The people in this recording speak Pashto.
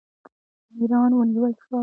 امیران ونیول شول.